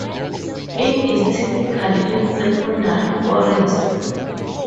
It is typical in secondary forests.